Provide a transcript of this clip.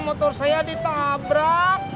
motor saya ditabrak